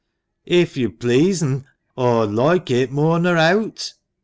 * If you please'n, aw'd loike it moore nor eawt."